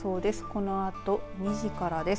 このあと２時からです。